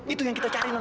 itu yang kita cari non